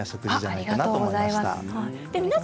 ありがとうございます。